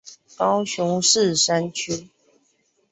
高雄市旗山區